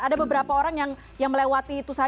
ada beberapa orang yang melewati itu saja